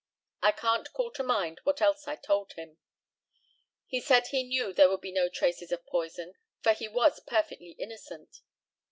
I can't call to mind what else I told him. He said he knew there would be no traces of poison, for he was perfectly innocent.